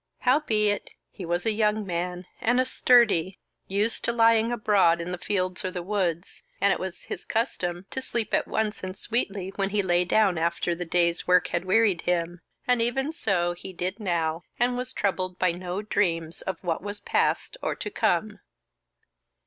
Howbeit, he was a young man, and a sturdy, used to lying abroad in the fields or the woods, and it was his custom to sleep at once and sweetly when he lay down after the day's work had wearied him, and even so he did now, and was troubled by no dreams of what was past or to come.